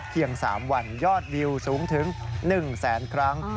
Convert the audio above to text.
๓วันยอดวิวสูงถึง๑แสนครั้ง